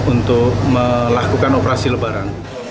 untuk melakukan operasi lebaran